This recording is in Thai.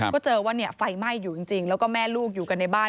ก็เจอว่าไฟไหม้อยู่จริงแล้วก็แม่ลูกอยู่กันในบ้าน